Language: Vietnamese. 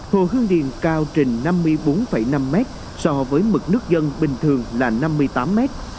hồ hương điền cao trình năm mươi bốn năm mét so với mực nước dân bình thường là năm mươi tám mét